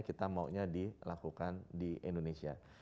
kita maunya dilakukan di indonesia